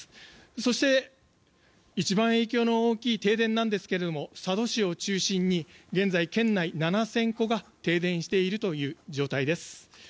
そして一番影響の大きい停電なんですが佐渡市を中心に現在県内７０００戸が停電しているという状態です。